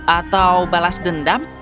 atau balas dendam